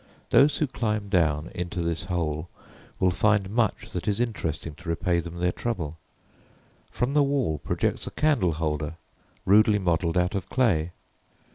Those who climb down into this hole will find much that is interesting to repay them their trouble. From the wall projects a candle holder, rudely modelled out of clay.